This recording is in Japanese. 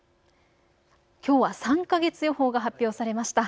きょうは３か月予報が発表されました。